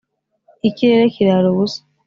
Ikirere kirara ubusa